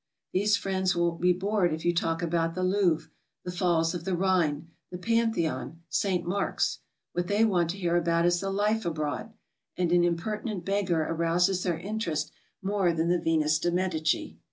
Tliiese friends will be bored if you talk about the Louvre, the Falls of the Rhine, the Panthecn, St. Mark's, — what they want to hear about is the life abroad, and an impertinent beggar arouses their interest more than the Venus de Medici.